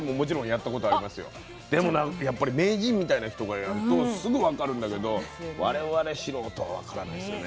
でもやっぱり名人みたいな人がやるとすぐ分かるんだけど我々素人は分からないですよね